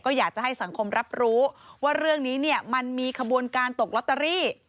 ก็อยากจะให้สังคมรับรู้ว่าเรื่องนี้เนี่ยมันมีขบวนการตกลอตเตอรี่